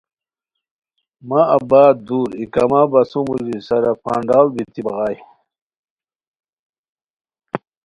مہ آباد دُور ای کما بسو موژی سرا پھنڈاڑ بیتی بغائے